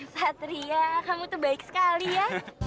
satria kamu tuh baik sekali ya